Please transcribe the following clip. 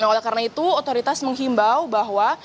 oleh karena itu otoritas menghimbau bahwa